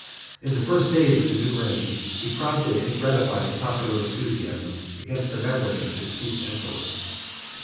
10 In the first days of the new reign, he prompted and gratified the popular enthusiasm against the memory of the deceased emperor.